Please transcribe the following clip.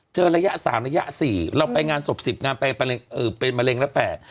เจอระยะ๓ระยะ๔เราไปงานศพ๑๐งานเป็นมะเร็งแล้วแปลก